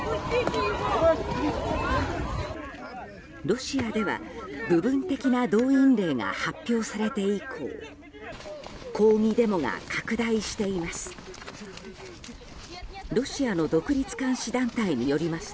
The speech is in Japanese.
ロシアでは部分的な動員令が発表されて以降抗議デモが拡大しています。